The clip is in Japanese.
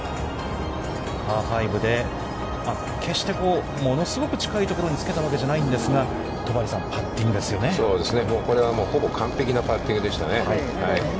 パー５で、決して物すごく近いところにつけたわけじゃないんですが、戸張さん、パッティングですよね。